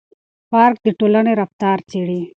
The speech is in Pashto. پارک د ټولنې رفتار څېړي.